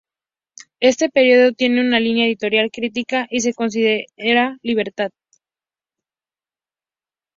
Este periódico tiene una línea editorial crítica, y se considera liberal.